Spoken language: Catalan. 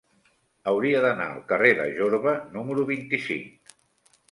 Hauria d'anar al carrer de Jorba número vint-i-cinc.